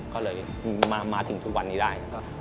ก็เลยมาถึงทุกวันนี้ได้